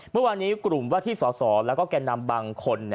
เมื่อวานนี้กลุ่มว่าที่สสแล้วก็แก่นำบางคน